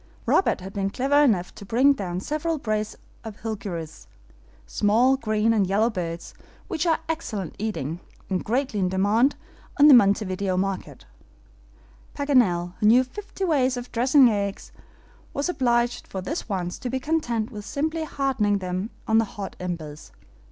Robert had been clever enough to bring down several brace of HILGUEROS, small green and yellow birds, which are excellent eating, and greatly in demand in the Montevideo market. Paganel, who knew fifty ways of dressing eggs, was obliged for this once to be content with simply hardening them on the hot embers.